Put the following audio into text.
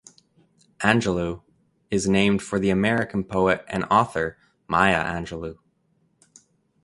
Angelou is named for the American poet and author Maya Angelou.